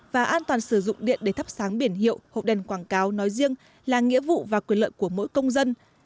và an toàn sử dụng điện để thắp sáng biển hiệu hộp đèn quảng cáo nói riêng là nghĩa vụ và quyền lợi của mỗi công dân